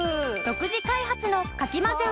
独自開発のかき混ぜ